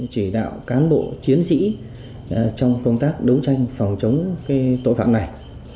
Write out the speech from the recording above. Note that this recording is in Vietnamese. chỉ đạo cán bộ chiến sĩ trong công tác đấu tranh phòng chống tội phạm này